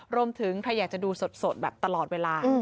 รวมถึงใครอยากจะดูสดแบบตลอดเวลา